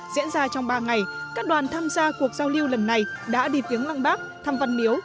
diễn ra trong ba ngày các đoàn tham gia cuộc giao lưu lần này đã đi viếng lăng bác thăm văn miếu